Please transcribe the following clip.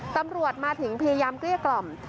ตำรวจมาถึงพยายามเกลี้ยกล่อม